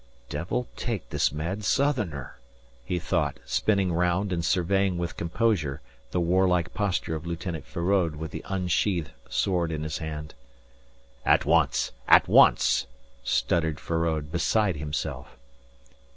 "Devil take this mad Southerner," he thought, spinning round and surveying with composure the warlike posture of Lieutenant Feraud with the unsheathed sword in his hand. "At once. At once," stuttered Feraud, beside himself.